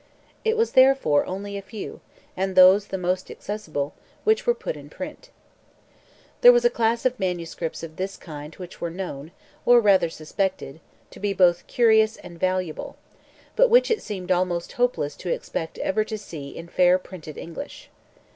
It was therefore only a few, and those the most accessible, which were put in print. There was a class of manuscripts of this kind which were known, or rather suspected, to be both curious and valuable, but which it seemed almost hopeless to expect ever to see in fair printed English.